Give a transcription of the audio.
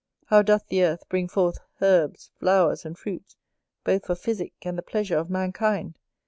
How doth the Earth bring forth herbs, flowers, and fruits, both for physick and the pleasure of mankind!